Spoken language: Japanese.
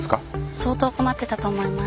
相当困ってたと思います。